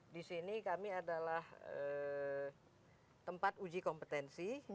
di sini kami adalah tempat uji kompetensi